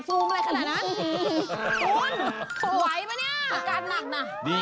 คุณไหวปะเนี่ย